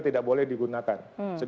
tidak boleh digunakan